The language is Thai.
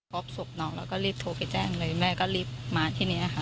พบศพน้องแล้วก็รีบโทรไปแจ้งเลยแม่ก็รีบมาที่นี้ค่ะ